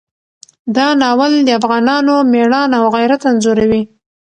دا ناول د افغانانو مېړانه او غیرت انځوروي.